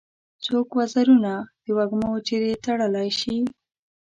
څوک وزرونه د وږمو چیري تړلای شي؟